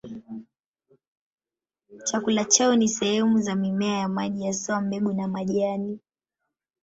Chakula chao ni sehemu za mimea ya maji, haswa mbegu na majani.